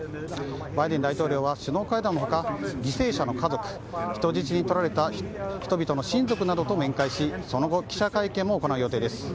バイデン大統領は首脳会談の他犠牲者の家族人質にとられた人々の親族などと面会しその後、記者会見も行う予定です。